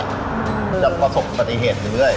จากประสบปฏิเหตุหนึ่งด้วย